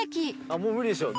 もう無理でしょう。